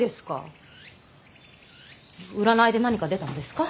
占いで何か出たのですか。